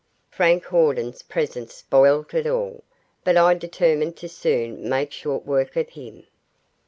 Frank Hawden's presence spoilt it all, but I determined to soon make short work of him.